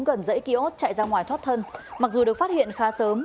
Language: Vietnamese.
cần dãy ký ốt chạy ra ngoài thoát thân mặc dù được phát hiện khá sớm